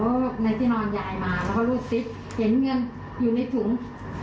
เพราะว่าในที่นอนยายมาแล้วก็รูดซิดเห็นเงินอยู่ในถุง